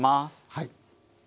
はい。